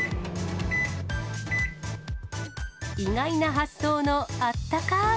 意外な発想のあったかーい